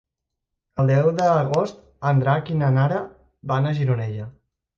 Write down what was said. El deu d'agost en Drac i na Nara van a Gironella.